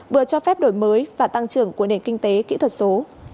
vừa cho phép đổi mới và tăng trưởng của nền kinh tế kỹ thuật số